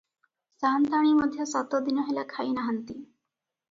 ସାଆନ୍ତାଣୀ ମଧ୍ୟ ସାତଦିନ ହେଲା ଖାଇନାହାନ୍ତି ।